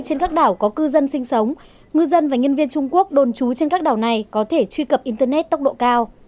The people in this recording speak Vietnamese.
trên các đảo có cư dân sinh sống ngư dân và nhân viên trung quốc đồn trú trên các đảo này có thể truy cập internet tốc độ cao